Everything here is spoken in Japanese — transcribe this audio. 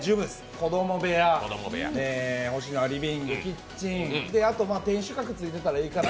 子供部屋、リビング、キッチン、あと天守閣ついてからええかな。